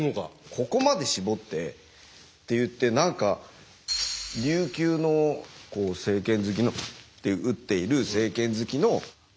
ここまで絞ってっていって何か琉球の正拳突きのって打っている正拳突きの僕